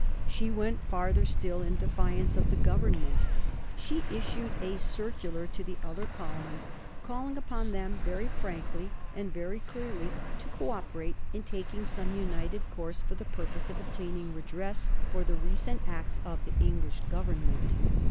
She went farther still in defiance of the Government. She issued a circular to the other colonies, calling upon them very frankly and very clearly to co operate in taking some united course for the purpose of obtaining redress for the recent acts of the English Government.